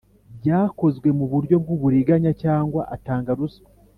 Byakozwe muburyo bw’ uburiganya cyangwa atanga ruswa